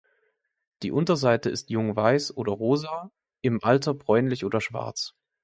Die Unterseite ist jung weiß oder rosa, im Alter bläulich oder schwarz.